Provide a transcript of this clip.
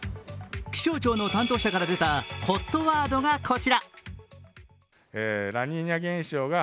気象庁の担当者から出たＨＯＴワードがこちら。